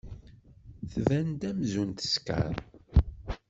Tban-d amzun teskeṛ.